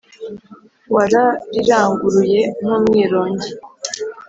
warariranguruye nk’umwirongi